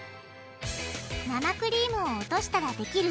生クリームを落としたらできる